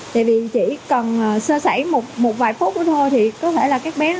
tại vì chỉ cần sơ sẩy một vài phút của thôi thì có thể là các bé